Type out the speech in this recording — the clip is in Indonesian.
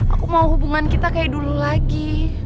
aku mau hubungan kita kayak dulu lagi